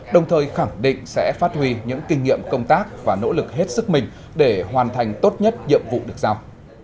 đồng thời khẳng định sẽ phát huy những kinh nghiệm công tác và nỗ lực hết sức mình để hoàn thành tốt nhất nhiệm vụ được giao